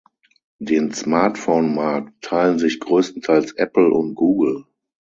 Den Smartphone-Markt teilen sich größtenteils Apple und Google.